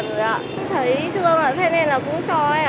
thấy thương ạ thế nên là cũng cho ạ